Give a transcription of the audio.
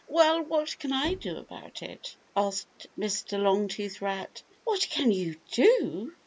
"Well, what can I do about it?" asked Mr. Longtooth Rat. "What can you do?"